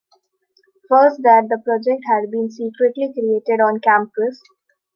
First, that the project had been secretly created on campus.